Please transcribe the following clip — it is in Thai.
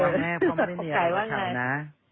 ไม่ว่าแม่พ่อไม่มีอะไรมาถามนะ